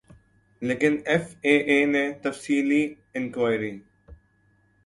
لیکن F A A نے تفصیلی انکوائری